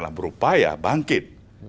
karena berupaya bangkit